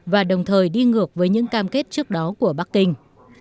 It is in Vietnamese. và đồng thời đi ngược với những cam kết trước đó của bắc kinh